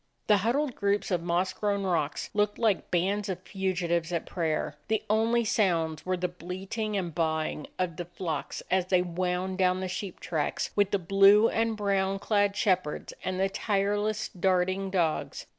The huddled groups of moss grown rocks looked like bands of fugitives at prayer; the only sounds were the bleating and baa ing of the flocks as they wound down the sheep tracks with the blue and brown clad shepherds and the tireless, darting dogs.